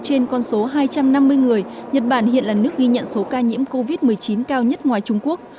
trên con số hai trăm năm mươi người nhật bản hiện là nước ghi nhận số ca nhiễm covid một mươi chín cao nhất ngoài trung quốc